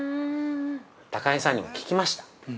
◆高木さんにも聞きました。